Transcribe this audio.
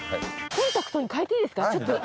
コンタクトにかえていいですか？